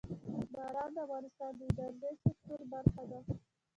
باران د افغانستان د انرژۍ د سکتور برخه ده.